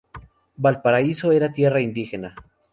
Valparaíso era tierra indígena.